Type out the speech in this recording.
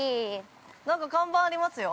◆なんか看板ありますよ。